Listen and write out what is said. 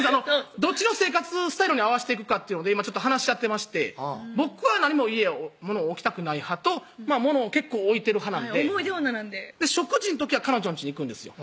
どっちの生活スタイルに合わしていくかっていうので今ちょっと話し合ってまして僕は何も家物置きたくない派と物を結構置いてる派なんで思い出女なんで食事の時は彼女んちに行くんですよ